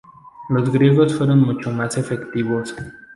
Los griegos fueron mucho más efectivos.